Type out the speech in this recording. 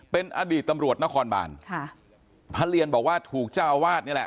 เป็นอดีตตำรวจนครบานค่ะพระเรียนบอกว่าถูกเจ้าอาวาสนี่แหละ